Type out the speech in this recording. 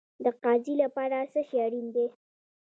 د قاضي لپاره څه شی اړین دی؟